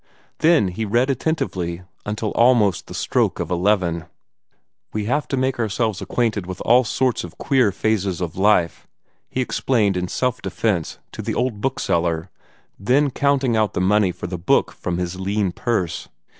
Then he read attentively until almost the stroke of eleven. "We have to make ourselves acquainted with all sorts of queer phases of life," he explained in self defence to the old bookseller, then counting out the money for the book from his lean purse.